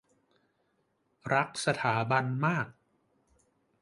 - รักสถาบันมาก